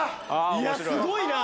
いやすごいな。